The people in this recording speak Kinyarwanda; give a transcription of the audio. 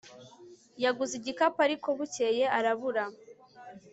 yaguze igikapu, ariko bukeye arabura